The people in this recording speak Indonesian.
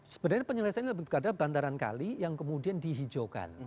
sebenarnya penyelesaiannya lebih keadaan bandaran kali yang kemudian dihijaukan